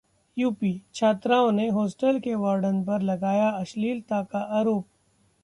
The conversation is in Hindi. यूपी: छात्राओं ने हॉस्टल के वार्डन पर लगाया अश्लीलता का आरोप